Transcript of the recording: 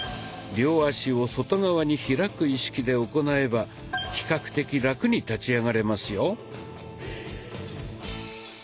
両足を外側に開く意識で行えば比較的ラクに立ち上がれますよ。